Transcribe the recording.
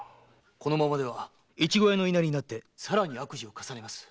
このままでは越後屋の言いなりになってさらに悪事を重ねます。